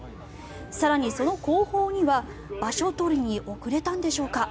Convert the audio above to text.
更に、その後方には場所取りに遅れたんでしょうか。